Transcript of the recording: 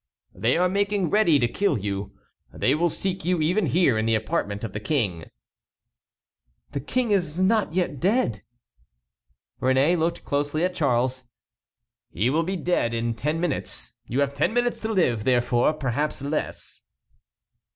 "They are making ready to kill you. They will seek you even here in the apartment of the King." "The King is not yet dead." Réné looked closely at Charles. "He will be in ten minutes; you have ten minutes to live, therefore; perhaps less."